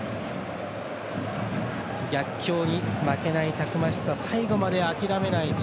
逆境に負けないたくましさ最後まで諦めない力